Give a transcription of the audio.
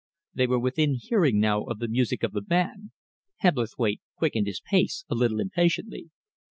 They were within hearing now of the music of the band. Hebblethwaite quickened his pace a little impatiently.